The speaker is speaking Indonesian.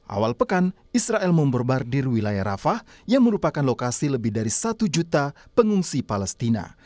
awal pekan israel memborbardir wilayah rafah yang merupakan lokasi lebih dari satu juta pengungsi palestina